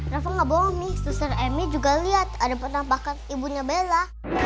rafa gak bohong nih susahnya mi juga liat ada penampakan ibunya bella